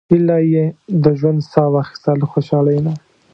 ایله یې د ژوند سا واخیسته له خوشالۍ نه.